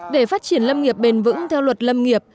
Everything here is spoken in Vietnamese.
để phát triển lâm nghiệp bền vững theo luật lâm nghiệp